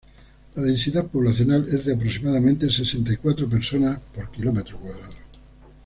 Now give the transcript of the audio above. La densidad poblacional es de aproximadamente sesenta y cuatro personas por kilómetro cuadrado.